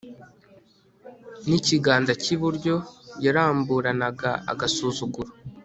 n'ikiganza cy'iburyo yaramburanaga agasuzuguro